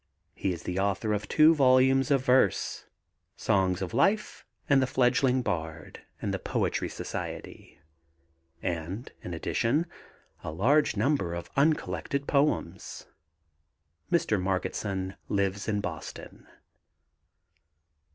He is the author of two volumes of verses, Songs of Life and The Fledgling Bard and the Poetry Society and, in addition, a large number of uncollected poems. Mr. Margetson lives in Boston.